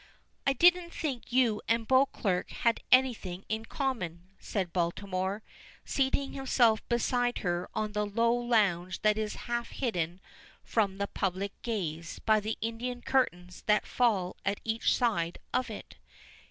"I didn't think you and Beauclerk had anything in common," says Baltimore, seating himself beside her on the low lounge that is half hidden from the public gaze by the Indian curtains that fall at each side of it.